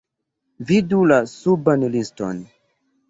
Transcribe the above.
Vidu la suban liston!